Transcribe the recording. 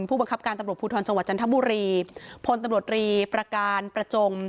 ผู้บังคับการตำรวจภูทรจังหวัดจันทบุรีพลตำรวจรีประการประจง